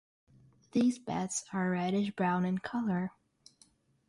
These bats are reddish brown in color.